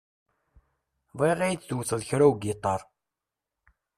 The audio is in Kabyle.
Bɣiɣ ad yi-d-tewteḍ kra ugiṭar.